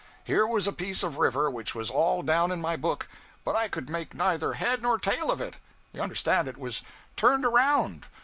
Here was a piece of river which was all down in my book, but I could make neither head nor tail of it: you understand, it was turned around.